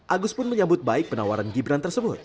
agus pun menyambut baik penawaran gibran tersebut